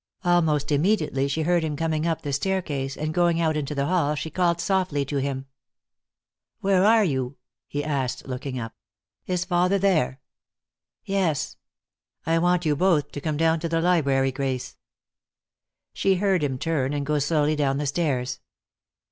Almost immediately she heard him coming up the staircase, and going out into the hall she called softly to him. "Where are you?" he asked, looking up. "Is father there?" "Yes." "I want you both to come down to the library, Grace." She heard him turn and go slowly down the stairs.